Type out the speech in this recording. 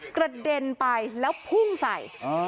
กระเด็นไปแล้วพุ่งใส่